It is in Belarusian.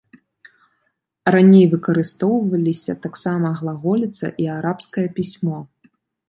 Раней выкарыстоўваліся таксама глаголіца і арабскае пісьмо.